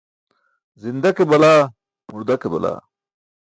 Zinda ke balaa, murda ke balaa.